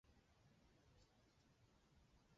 当代人对于评断事件转捩点多缺乏自信。